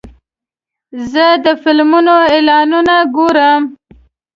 زه د فلمونو اعلانونه ګورم.